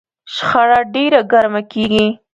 شخړه ډېره ګرمه کېږي.